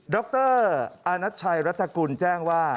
รออาณัชชัยรัฐกุลแจ้งว่า